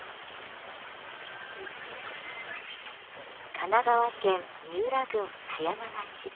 神奈川県三浦郡葉山町。